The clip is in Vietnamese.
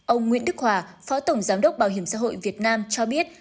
ông nguyễn đức hòa phó tổng giám đốc bảo hiểm xã hội việt nam cho biết